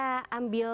nggak mau ribet